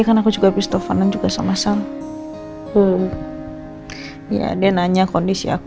oh kamu jangan terlalu banyak gerak